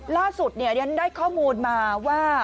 ล่าสุดยังได้ข้อมูลมาว่า